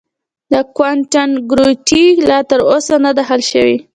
د کوانټم ګرویټي لا تر اوسه نه دی حل شوی.